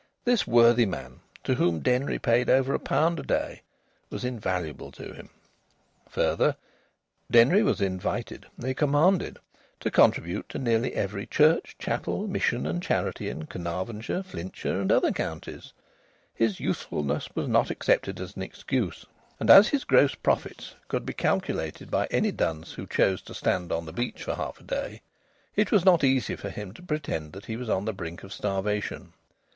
This worthy man, to whom Denry paid over a pound a day, was invaluable to him. Further, Denry was invited nay commanded to contribute to nearly every church, chapel, mission, and charity in Carnarvonshire, Flintshire, and other counties. His youthfulness was not accepted as an excuse. And as his gross profits could be calculated by any dunce who chose to stand on the beach for half a day, it was not easy for him to pretend that he was on the brink of starvation.